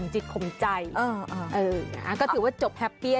หกคมใจ